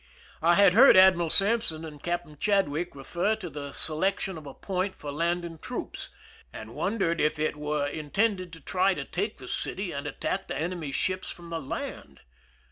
I had heard Admiral Sampson and Captain Chad wick refer to the selection of a point for landing troops, and wondered if it were intended to try to take the city and attack the enemy's ships from the land.